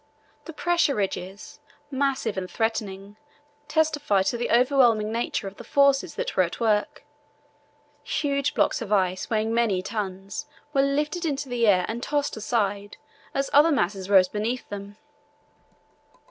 The pressure ridges, massive and threatening, testified to the overwhelming nature of the forces that were at work. Huge blocks of ice, weighing many tons, were lifted into the air and tossed aside as other masses rose beneath them.